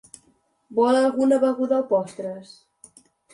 Vol alguna beguda o postres?